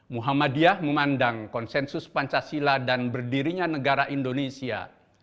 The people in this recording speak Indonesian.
muhammadiyah memandang konsensus pancasila dan berdirinya negara indonesia